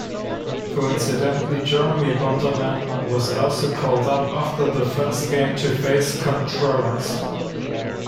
Coincidentally, Jeremy Bonderman was also called up after the first game to face Contreras.